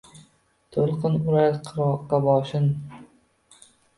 To’lqin urar qirg’oqqa boshin